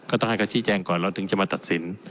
ต้องให้เขาชี้แจงก่อนเราถึงจะมาตัดสิน